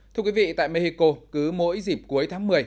thưa quý vị tại mexico cứ mỗi dịp cuối tháng một mươi